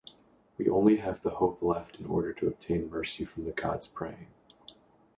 We only have the hope left in order to obtain mercy from the gods praying.